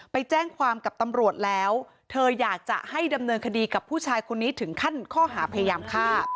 ไปแจ้งความกับตำรวจแล้วเธออยากจะให้ดำเนินคดีกับผู้ชายคนนี้ถึงขั้นข้อหาพยายามฆ่า